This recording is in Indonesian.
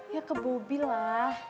ya ke bobi lah